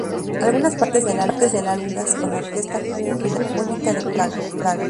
Algunas partes del álbum fueron grabadas con la Orquesta Filarmónica de Praga.